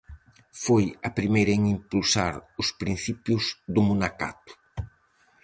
Foi a primeira en impulsar os principios do monacato.